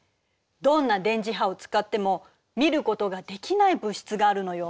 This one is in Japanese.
どんな電磁波を使っても見ることができない物質があるのよ。